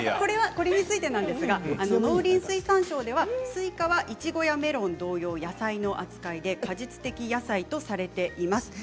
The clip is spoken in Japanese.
農林水産省ではスイカはいちごやメロンと同様に野菜の扱いで果実的野菜とされています。